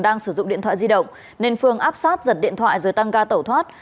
đang sử dụng điện thoại di động nền phương áp sát giật điện thoại rồi tăng ca tẩu thoát